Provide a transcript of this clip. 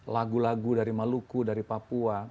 lagu lagu dari maluku dari papua